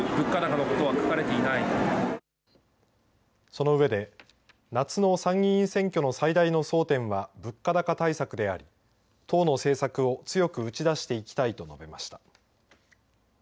その上で夏の参議院選挙の最大の争点は物価高対策であり党の政策を強く打ち出していきたいと述べました。